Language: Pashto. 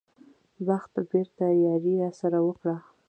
بخت بېرته یاري راسره وکړه.